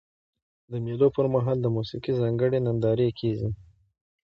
د مېلو پر مهال د موسیقۍ ځانګړي نندارې کیږي.